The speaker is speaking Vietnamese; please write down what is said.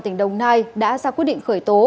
tỉnh đông nai đã ra quyết định khởi tố